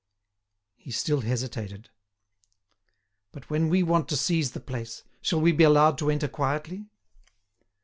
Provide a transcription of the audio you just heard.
He still hesitated. "But when we want to seize the place, shall we be allowed to enter quietly?"